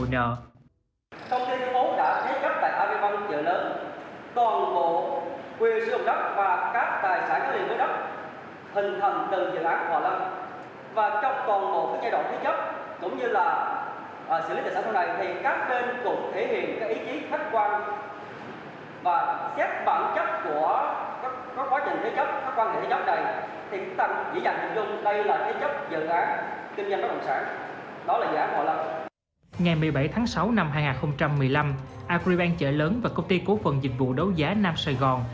ngày một mươi bảy tháng sáu năm hai nghìn một mươi năm acribank chợ lớn và công ty cố phần dịch vụ đấu giá nam sài gòn